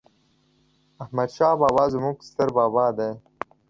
احمد شاه بابا ﺯموږ ستر بابا دي